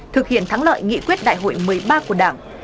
thực hiện thắng lợi nghị quyết đại hội một mươi ba của đảng